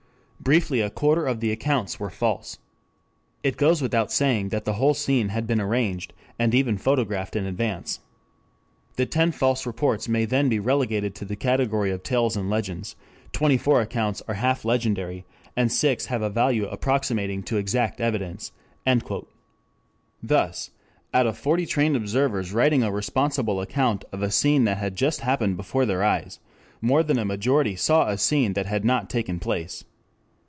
Briefly a quarter of the accounts were false. "It goes without saying that the whole scene had been arranged and even photographed in advance. The ten false reports may then be relegated to the category of tales and legends; twenty four accounts are half legendary, and six have a value approximating to exact evidence." Thus out of forty trained observers writing a responsible account of a scene that had just happened before their eyes, more than a majority saw a scene that had not taken place.